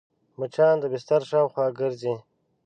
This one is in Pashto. مچان د بستر شاوخوا ګرځي